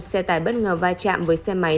xe tải bất ngờ vai trạm với xe máy